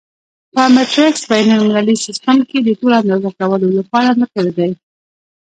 په مټریک بین المللي سیسټم کې د طول اندازه کولو لپاره متر دی.